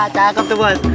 cakep tuh bos